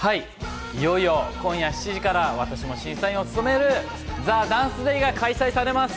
いよいよ今夜７時から、私も審査員を務める『ＴＨＥＤＡＮＣＥＤＡＹ』が開催されます。